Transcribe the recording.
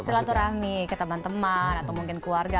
silaturahmi ke teman teman atau mungkin keluarga